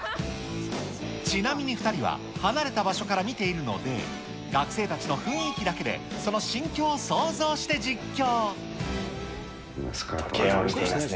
ちなみに２人は、離れた場所から見ているので、学生たちの雰囲気だけでその心境を想像して実況。